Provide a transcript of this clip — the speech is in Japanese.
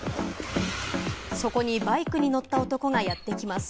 そこにバイクに乗った男がやってきます。